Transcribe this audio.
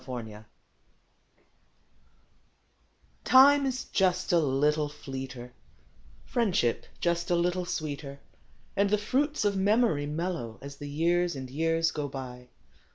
A597234 IME is "just a little fleeter; priendship just a little sweeter; And the jruits of memoru mellcrcO ' I As the Ljears and Ejears ao btj.